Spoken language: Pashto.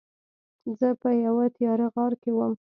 زه په یوه تیاره غار کې وم.